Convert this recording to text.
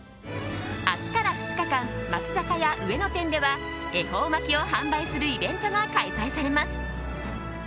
明日から２日間松坂屋上野店では恵方巻きを販売するイベントが開催されます。